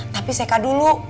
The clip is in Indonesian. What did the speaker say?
tapi sekat dulu